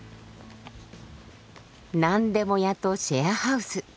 何でも屋とシェアハウス。